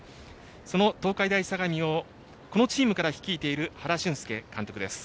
その東海大相模をこのチームから率いている原俊介監督です。